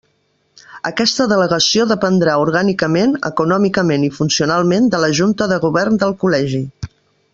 Aquesta delegació dependrà orgànicament, econòmicament i funcionalment de la Junta de Govern del Col·legi.